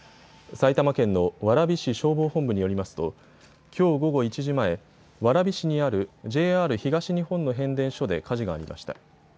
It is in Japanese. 埼玉県の蕨市消防本部によりますときょう午後１時前、蕨市にあるＪＲ東日本の変電所で火事がありました。